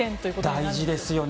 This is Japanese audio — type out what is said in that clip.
大事ですね。